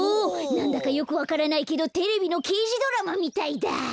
なんだかよくわからないけどテレビのけいじドラマみたいだ。